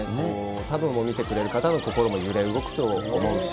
たぶん、見てくれる方の心も揺れ動くと思うし。